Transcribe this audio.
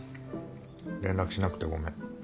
連絡しなくてごめん。